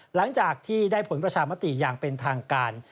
หลังจากที่ได้ผลประชามติอย่างเป็นทางการ